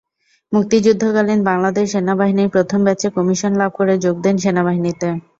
মুক্তিযুদ্ধকালীন বাংলাদেশ সেনাবাহিনীর প্রথম ব্যাচে কমিশন লাভ করে যোগ দেন সেনাবাহিনীতে।